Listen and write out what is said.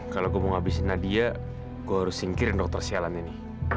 kalau gue mau ngabisin nadia gue harus singkirin dokter sialan ini